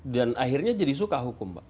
dan akhirnya jadi suka hukum pak